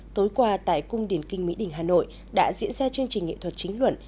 tối qua tại cung điển kinh mỹ đình hà nội đã diễn ra chương trình nghệ thuật chính luận